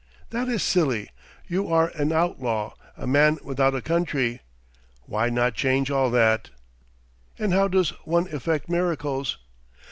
"That is silly. You are an outlaw, a man without a country. Why not change all that?" "And how does one effect miracles?"